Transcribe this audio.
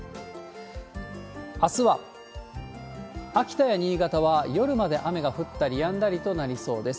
あすは、秋田や新潟は夜まで雨が降ったりやんだりとなりそうです。